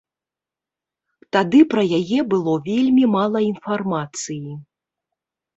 Тады пра яе было вельмі мала інфармацыі.